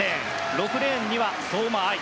６レーンには相馬あい。